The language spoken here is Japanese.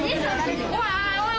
おい！